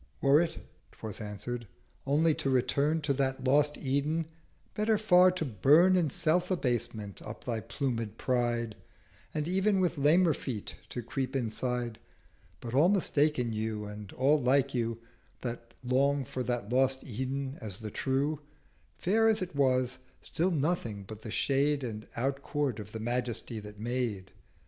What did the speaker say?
'Were it,' 'twas answer'd, 'only to return To that lost Eden, better far to burn In Self abasement up thy pluméd Pride, And ev'n with lamer feet to creep inside—310 But all mistaken you and all like you That long for that lost Eden as the true; Fair as it was, still nothing but the shade And Out court of the Majesty that made.